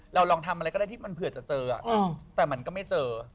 ลองทำอะไรก็ได้ที่มันเผื่อจะเจอแต่มันก็ไม่เจอ